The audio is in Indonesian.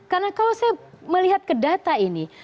karena kalau saya melihat ke data ini